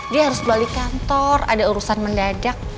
dia harus balik kantor ada urusan mendadak